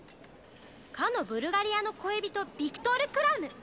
「かのブルガリアの恋人ビクトール・クラム」